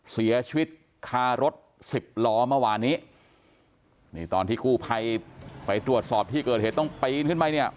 เสียชีวิตคารถสิบล้อเมื่อวานนี้นี่ตอนที่กู้ภัยไปตรวจสอบที่เกิดเหตุต้องปีนขึ้นไปเนี่ย